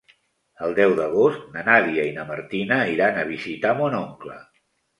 El deu d'agost na Nàdia i na Martina iran a visitar mon oncle.